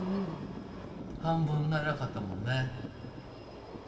半分寝れなかったもんね。